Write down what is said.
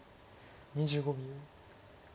２５秒。